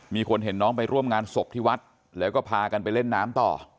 มีคนเห็นน้องไปร่วมงานศพที่วัดแล้วก็พากันไปเล่นน้ำต่อ